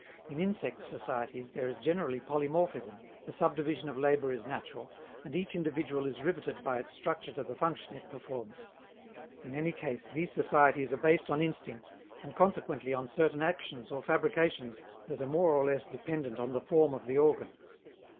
In insect societies there is generally polymorphism, the subdivision of labor is natural, and each individual is riveted by its structure to the function it performs. In any case, these societies are based on instinct, and consequently on certain actions or fabrications that are more or less dependent on the form of the organs.